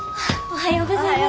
おはようございます。